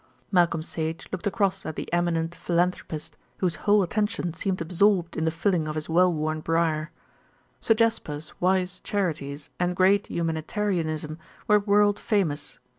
Malcolm Sage looked across at the eminent philanthropist, whose whole attention seemed absorbed in the filling of his well worn briar. Sir Jasper's wise charities and great humanitarianism were world famous.